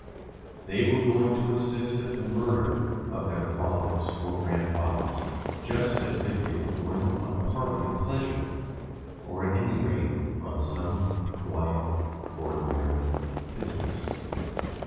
They were going to assist at the murder of their fathers or grandfathers just as if they were going on a party of pleasure, or at any rate on some quite ordinary business.